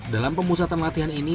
dalam pemusatan latihan ini